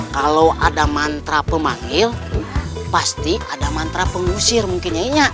kalau ada mantra pemanggil pasti ada mantra pengusir mungkin ya